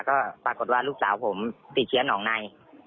ก็ปรากฏว่าลูกสาวผมติดเชื้อหนองใน